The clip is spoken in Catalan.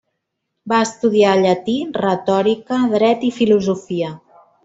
Va estudiar llatí, retòrica, dret i filosofia.